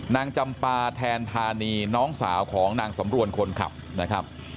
จำปาแทนธานีน้องสาวของนางสำรวนคนขับนะครับ